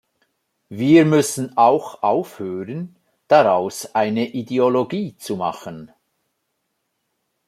Wir müssen auch aufhören, daraus eine Ideologie zu machen.